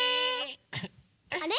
あれ？